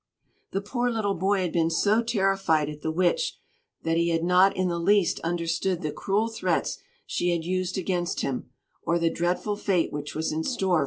The poor little boy had been so terrified at the Witch that he had not in the least understood the cruel threats she had used against him, or the dreadful fate which was in store for Nina.